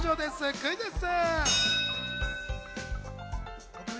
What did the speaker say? クイズッス！